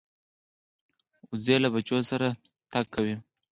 وزې له بچو سره تګ کوي